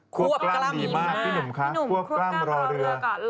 ควบกล้ามดีมากพี่หนุ่มค่ะควบกล้ามรอเรือก่อน